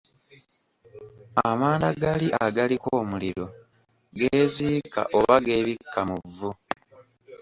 Amanda gali agaliko omuliro geeziika oba geebikka mu vvu.